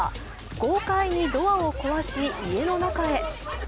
豪快にドアを壊し、家の中へ。